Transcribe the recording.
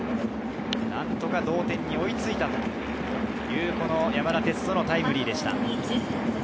何とか同点に追いついた山田哲人のタイムリーでした。